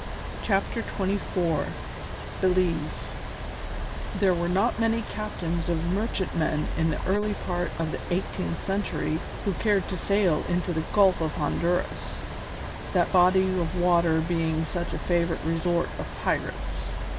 CHAPTER XXIV BELIZE There were not many captains of merchantmen in the early part of the eighteenth century who cared to sail into the Gulf of Honduras, that body of water being such a favourite resort of pirates.